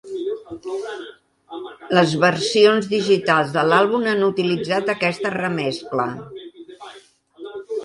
Les versions digitals de l'àlbum han utilitzat aquesta remescla.